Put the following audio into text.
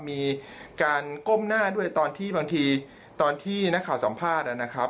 มีการก้มหน้าด้วยตอนที่บางทีตอนที่นักข่าวสัมภาษณ์นะครับ